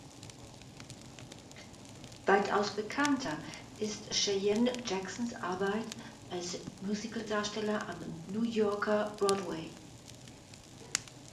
Weitaus bekannter ist Cheyenne Jacksons Arbeit als Musicaldarsteller am New Yorker Broadway.